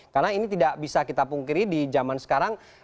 karena ini tidak bisa kita pungkiri di zaman sekarang